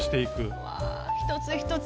うわぁ一つ一つ。